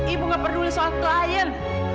ibu gak peduli soal klien